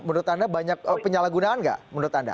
menurut anda banyak penyalahgunaan nggak